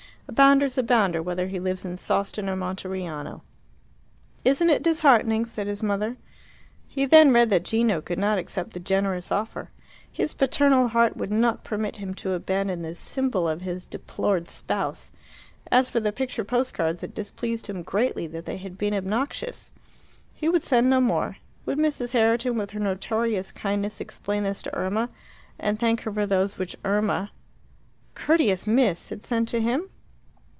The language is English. A bounder's a bounder, whether he lives in Sawston or Monteriano." "Isn't it disheartening?" said his mother. He then read that Gino could not accept the generous offer. His paternal heart would not permit him to abandon this symbol of his deplored spouse. As for the picture post cards, it displeased him greatly that they had been obnoxious. He would send no more. Would Mrs. Herriton, with her notorious kindness, explain this to Irma, and thank her for those which Irma (courteous Miss!) had sent to him?